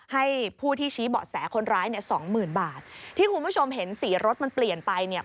ให้ผู้ที่ชี้เบาะแสคนร้ายเนี่ยสองหมื่นบาทที่คุณผู้ชมเห็นสีรถมันเปลี่ยนไปเนี่ย